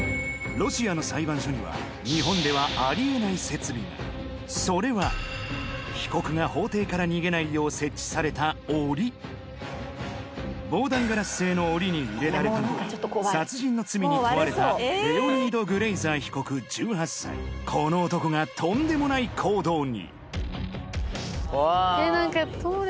ロシアの裁判所にはがそれは被告が法廷から逃げないよう設置された檻防弾ガラス製の檻に入れられたのは殺人の罪に問われたこの男がとんでもない行動に！